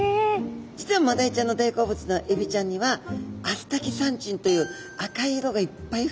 実はマダイちゃんの大好物のエビちゃんにはアスタキサンチンという赤い色がいっぱいふくまれてまして。